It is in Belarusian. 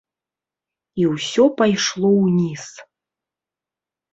І ўсё пайшло ўніз.